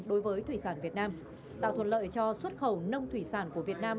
đối với thủy sản việt nam tạo thuận lợi cho xuất khẩu nông thủy sản của việt nam